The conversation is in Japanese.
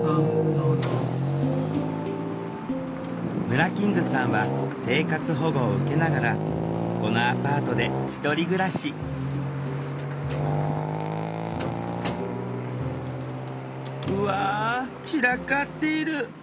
ムラキングさんは生活保護を受けながらこのアパートで１人暮らしうわ散らかっている。